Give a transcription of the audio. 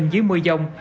dưới mươi dông